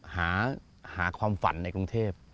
หาความฝันในกรุงเทพ